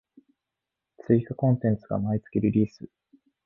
追加コンテンツが毎月リリース